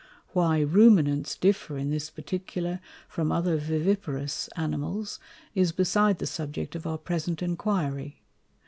Why Ruminants differ in this Particular from other Viviparous Animals, is beside the Subject of our present Enquiry.